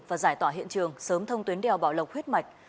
và giải tỏa hiện trường sớm thông tuyến đèo bảo lộc huyết mạch